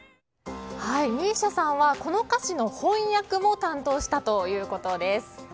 ＭＩＳＩＡさんはこの歌詞の翻訳も担当したということです。